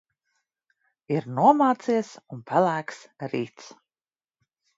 Ir nomācies un pelēks rīts.